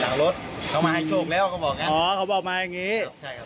หลังรถเขามาให้โชคแล้วเขาบอกไงอ๋อเขาบอกมาอย่างงี้ใช่ครับ